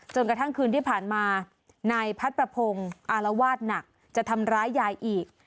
จนกระทั่งคืนที่ผ่านมานายพัดประพงศ์อารวาสหนักจะทำร้ายยายอีก